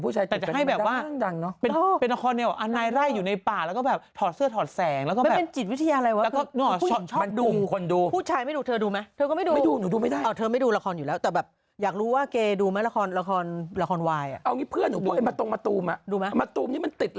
ผู้ชายกับผู้ชายติดไปด้านเนอะแบบนี้